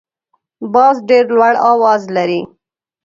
باز ډیر لوړ اواز لري